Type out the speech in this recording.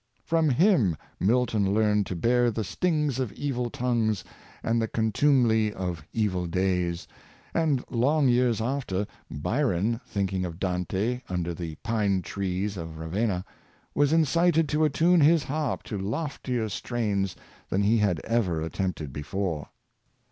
From him Milton learned to bear the stings of evil tongues and the contumely of evil days; and long years after, Byron, thinking of Dante under the pine trees of Ravenna, was incited to attune his harp to loftier strains than he had ever attempted before.